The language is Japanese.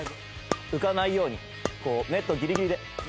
浮かないようにこうネットギリギリで。